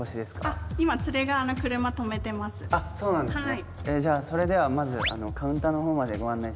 あっそうなんですね。